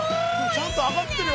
ちゃんとあがってる。